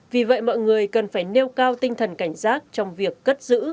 vì vậy mọi người cần phải nêu cao tinh thần cảnh giác trong việc cất giữ